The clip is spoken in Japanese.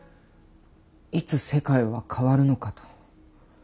いつ世界は変わるのかと。